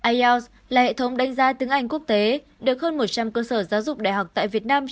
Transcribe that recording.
ielts là hệ thống đánh giá tiếng anh quốc tế được hơn một trăm linh cơ sở giáo dục đại học tại việt nam